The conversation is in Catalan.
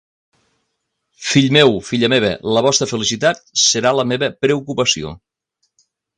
Fill meu, filla meva, la vostra felicitat serà la meva preocupació.